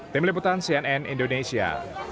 tim liputan cnn indonesia